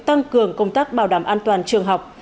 tăng cường công tác bảo đảm an toàn trường học